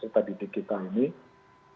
menjadi tempat yang paling aman